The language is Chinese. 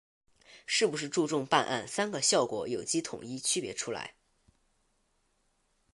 是不是注重办案‘三个效果’有机统一区别出来